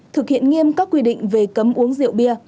thực hiện nghiêm các quy định về cấm uống rượu bia